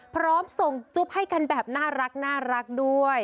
พร้อมส่งจุ๊บให้กันแบบน่ารักด้วย